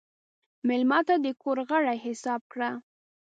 مېلمه ته د کور غړی حساب کړه.